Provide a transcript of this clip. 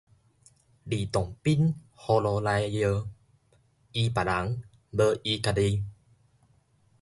呂洞賓葫蘆內的藥，醫別人無醫家己